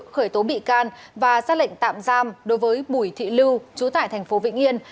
khởi tố bị can và xác lệnh tạm giam đối với bùi thị lưu chú tải tp vĩnh yên